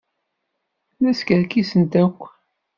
La skerkisent akk.